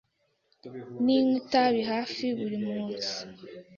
Ninywa itabi hafi buri munsi.